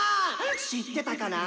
知ってたかなぁ？」。